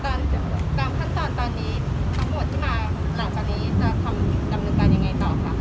ตามขั้นตอนตอนนี้ทั้งหมดที่มาหลังจากนี้จะทำดำเนินการยังไงต่อคะ